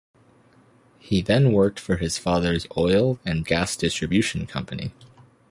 He then worked for his father's oil and gas distribution company.